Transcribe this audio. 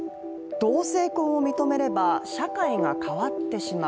同性婚を認めれば社会が変わってしまう。